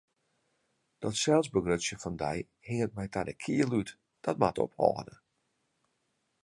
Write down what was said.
Dat selsbegrutsjen fan dy hinget my ta de kiel út, dat moat ophâlde!